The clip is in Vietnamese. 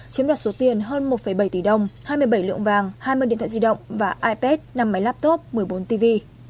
chiếm đoạt số tiền hơn một bảy tỷ đồng hai mươi bảy lượng vàng hai mươi điện thoại di động và ipad năm máy laptop một mươi bốn tv